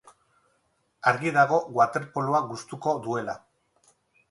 Argi dago waterpoloa gustuko duela.